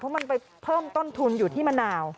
เพราะมันไปเพิ่มต้นทุนอยู่ที่มะนาว